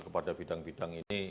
pada bidang bidang ini